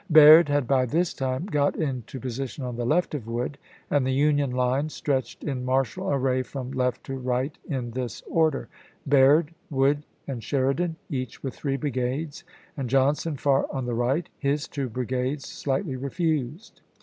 Baird had by this time got into position on the left of Wood, and the Union line stretched in martial array from left to right in this order : Baird, Wood, and Sheridan, each with three brigades, and Johnson far on the right, his two brigades slightly refused.